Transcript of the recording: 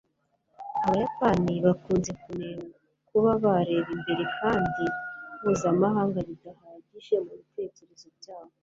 Abayapani bakunze kunengwa kuba bareba imbere kandi mpuzamahanga bidahagije mubitekerezo byabo